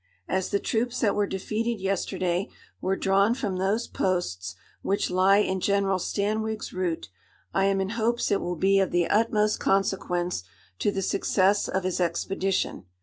As the troops that were defeated yesterday were drawn from those posts which lie in General Stanwig's route, I am in hopes it will be of the utmost consequence to the success of his expedition.